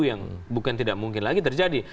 yang bukan tidak mungkin lagi terjadi